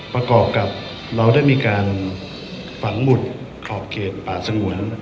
ประกอบกับเราได้มีการฝังหุดขอบเขตป่าสงวน